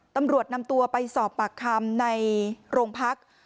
ตำรวจนำตัวไปสอบปากคำในโรงพัก